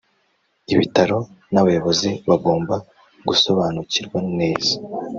ibitaro n’abayobozi bagomba gusobanukirwa neza